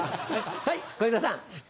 はい小遊三さん。